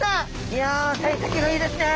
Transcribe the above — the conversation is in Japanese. いやさい先がいいですね。